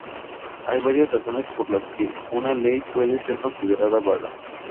Hay varias razones por las que una ley puede ser considerada vaga.